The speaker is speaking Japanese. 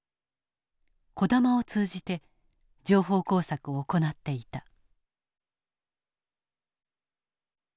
児玉を通じて情報工作を行っていた。